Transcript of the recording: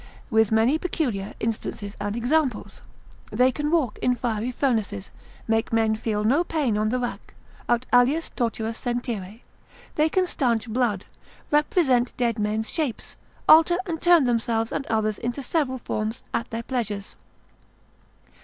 with many peculiar instances and examples; they can walk in fiery furnaces, make men feel no pain on the rack, aut alias torturas sentire; they can stanch blood, represent dead men's shapes, alter and turn themselves and others into several forms, at their pleasures.